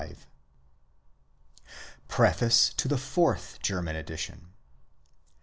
I PREFACE TO THE FOURTH GERMAN EDITION.